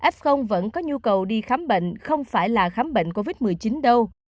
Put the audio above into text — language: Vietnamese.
f vẫn có nhu cầu đi khám bệnh không phải là khám bệnh covid một mươi chín đâu